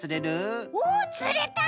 おつれた！